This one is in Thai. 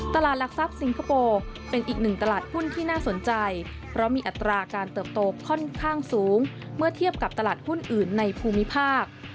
ตลาดหลักทรัพย์สิงคโปร์เป็นอีกหนึ่งตลาดหุ้นที่น่าสนใจเพราะมีอัตราการเติบโตค่อนข้างสูงเมื่อเทียบกับตลาดหุ้นอื่นในภูมิภาค